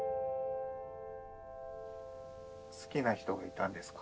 好きな人がいたんですか？